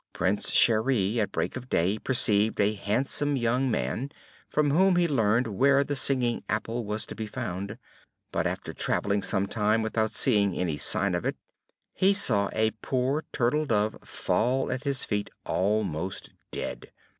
Prince Cheri at break of day perceived a handsome young man, from whom he learned where the singing apple was to be found: but after travelling some time without seeing any sign of it, he saw a poor turtle dove fall at his feet almost dead.